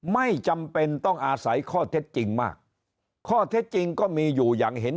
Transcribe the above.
ไม่จำเป็นต้องอาศัยข้อเท็จจริงมากข้อเท็จจริงก็มีอยู่อย่างเห็น